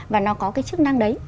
và nó có cái chức năng đấy